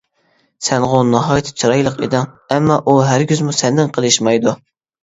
سەنغۇ ناھايىتى چىرايلىق ئىدىڭ، ئەمما ئۇ ھەرگىزمۇ سەندىن قېلىشمايدۇ.